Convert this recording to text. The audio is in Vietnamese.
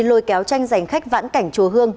lôi kéo tranh giành khách vãn cảnh chùa hương